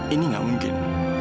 ini gak mungkin